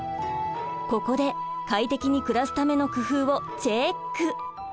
ここで快適に暮らすための工夫をチェック！